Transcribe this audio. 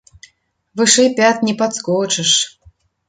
Вышэй пят не падскочыш!